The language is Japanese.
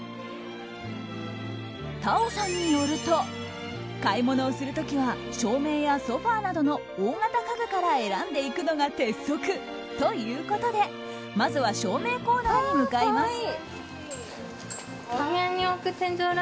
Ｔａｏさんによると買い物をする時は照明やソファなどの大型家具から選んでいくのが鉄則ということでまずは照明コーナーに向かいます。